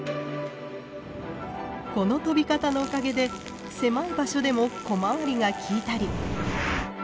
この飛び方のおかげで狭い場所でも小回りが利いたり。